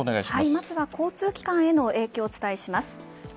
まずは交通機関への影響をお伝えします。